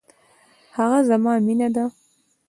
هغه زما مينه ده.